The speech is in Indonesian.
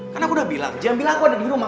karena aku udah bilang jam bilang aku ada di rumah